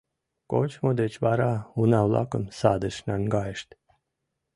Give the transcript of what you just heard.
Кочмо деч вара уна-влакым садыш наҥгайышт.